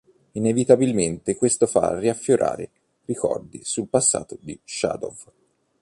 Inevitabilmente questo fa riaffiorare ricordi sul passato di Shadow.